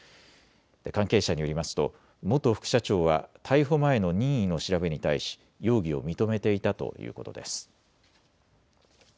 関係者によりますと元副社長は逮捕前の任意の調べに対し容疑を認めていたということです。